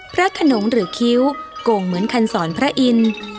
พระขนงหรือคิ้วกงเหมือนคันศรพระอิน